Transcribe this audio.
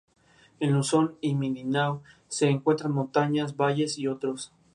El cómic narra las aventuras de tres jóvenes amigos: Paco, Pepe y Panza.